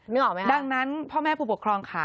นึกออกไหมครับดังนั้นพ่อแม่ผู้ปกครองค่ะ